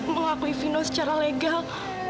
mengakui vino secara legal